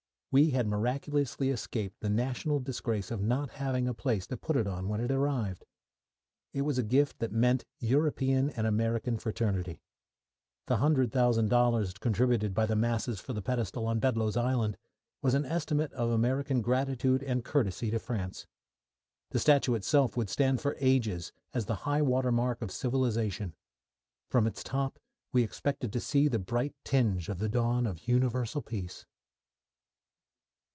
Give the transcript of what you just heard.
We had miraculously escaped the national disgrace of not having a place to put it on when it arrived. It was a gift that meant European and American fraternity. The $100,000 contributed by the masses for the pedestal on Bedloe's Island was an estimate of American gratitude and courtesy to France. The statue itself would stand for ages as the high water mark of civilisation. From its top we expected to see the bright tinge of the dawn of universal peace.